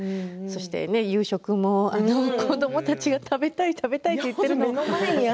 そして夕食も子どもたちが食べたい食べたいって言っているのを。